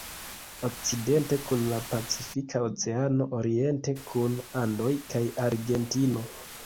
Okcidente kun la Pacifika Oceano, oriente kun Andoj kaj Argentino.